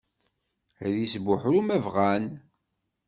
Ad isbuḥru ma bɣan.